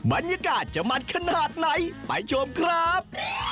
บรรยากาศจะมันขนาดไหนไปชมครับ